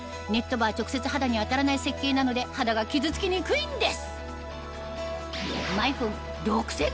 刃は直接肌に当たらない設計なので肌が傷つきにくいんです